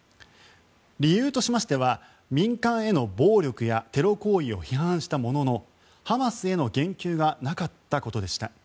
理由としましては民間への暴力やテロ行為を批判したもののハマスへの言及がなかったことでした。